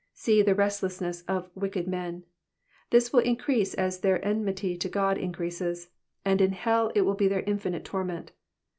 See the restlessness of wicked men ; tliis will increase as their enmity to God increases, and in hell it will be their infinite torment.